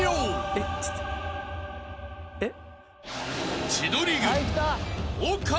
えっえっ？